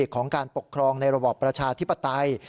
ของการปกครองในระบอบประชาธิปไตย